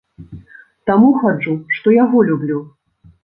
Таму хаджу, што яго люблю.